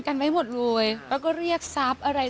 กันไว้หมดเลยแล้วก็เรียกทรัพย์อะไร